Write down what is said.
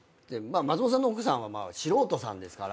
松本さんの奥さんは素人さんですから。